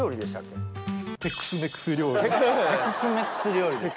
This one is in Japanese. テクスメクス料理です。